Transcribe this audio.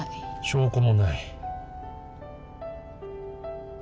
証拠もない。